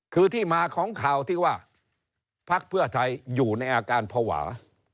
คือที่มาของข่าวที่ว่าพักเพื่อไทยอยู่ในอาการภาวะ